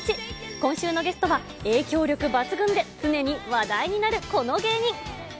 今週のゲストは、影響力抜群で、常に話題になるこの芸人。